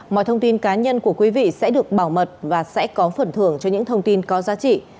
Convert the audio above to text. mọi thông tin cá nhân của quý vị sẽ được bảo mật và sẽ có phần thưởng cho những thông tin có giá trị